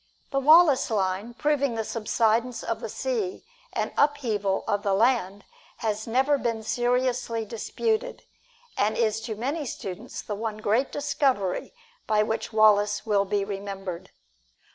The Wallace Line, proving the subsidence of the sea and upheaval of the land, has never been seriously disputed, and is to many students the one great discovery by which Wallace will be remembered.